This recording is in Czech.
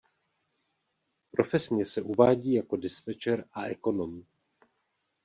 Profesně se uvádí jako dispečer a ekonom.